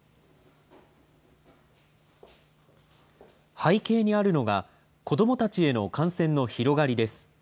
背景にあるのが、子どもたちへの感染の広がりです。